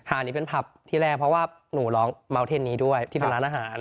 อันนี้เป็นผับที่แรกเพราะว่าหนูร้องเมาเทนนี้ด้วยที่เป็นร้านอาหาร